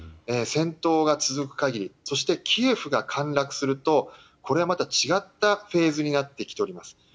戦闘が続く限りそしてキエフが陥落するとこれはまた違ったフェーズになってきております。